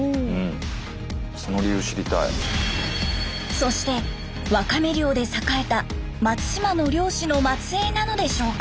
そしてワカメ漁で栄えた松島の漁師の末えいなのでしょうか？